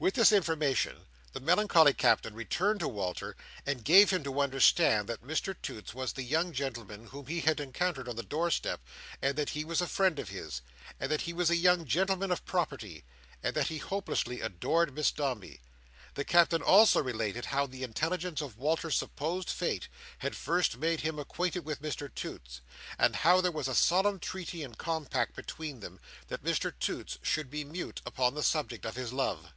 With this information the melancholy Captain returned to Walter, and gave him to understand that Mr Toots was the young gentleman whom he had encountered on the door step, and that he was a friend of his, and that he was a young gentleman of property, and that he hopelessly adored Miss Dombey. The Captain also related how the intelligence of Walter's supposed fate had first made him acquainted with Mr Toots, and how there was solemn treaty and compact between them, that Mr Toots should be mute upon the subject of his love.